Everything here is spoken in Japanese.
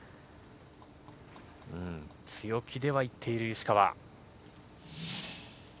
強気ではいっている石川。